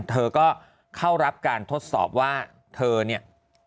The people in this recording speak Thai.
เธอก็เข้ารับการทดสอบว่าเธอเนี่ย